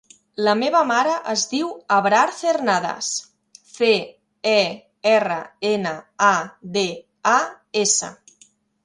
La meva mare es diu Abrar Cernadas: ce, e, erra, ena, a, de, a, essa.